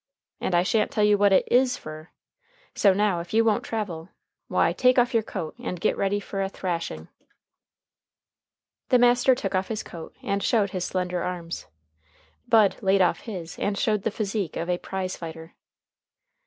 And I shan't tell you what it is fer. So now, if you won't travel, why, take off your coat and git ready fer a thrashing." The master took off his coat and showed his slender arms. Bud laid his off, and showed the physique of a prize fighter.